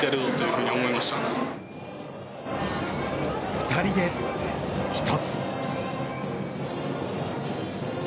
２人で１つ。